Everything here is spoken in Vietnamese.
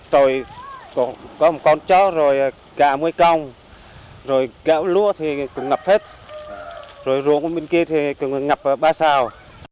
rồi có một con chó rồi gạ môi cong rồi gạo lúa thì cũng ngập hết rồi ruộng bên kia thì cũng ngập ba sao